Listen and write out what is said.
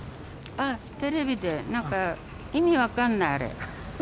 あ、テレビでなんか、意味分かんない、あれ。